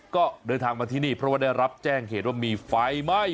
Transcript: ก็เดินทางมาที่นี่เพราะว่าได้รับแจ้งเหตุว่ามีไฟไหม้